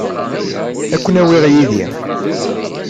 Ad ken-awiɣ yid-i.